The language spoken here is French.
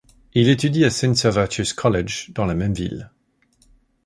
Il étudie à St Servatius College, dans la même ville.